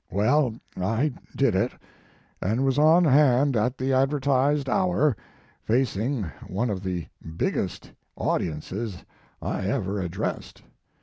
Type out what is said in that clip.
Well, I did it, and was on hand at the advertised hour, facing one of the biggest audiences I ever addressed.